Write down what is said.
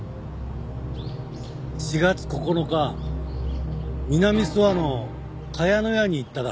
４月９日南諏訪の茅の屋に行っただろ？